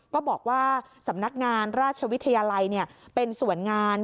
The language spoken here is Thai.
บอกว่าสำนักงานราชวิทยาลัยเป็นส่วนงาน